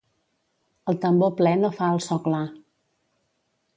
El tambor ple no fa el so clar.